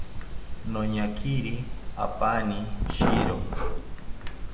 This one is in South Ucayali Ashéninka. Noñakiri apaani shiro